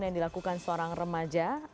yang dilakukan seorang remaja